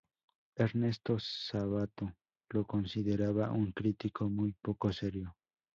Ernesto Sabato lo consideraba un crítico muy poco serio.